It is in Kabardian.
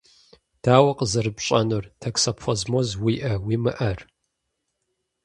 Дауэ къызэрыпщӏэнур токсоплазмоз уиӏэ-уимыӏэр?